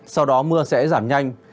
sau đó mưa sẽ giảm nhanh